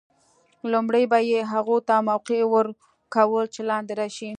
لومړی به یې هغو ته موقع ور کول چې لاندې راشي.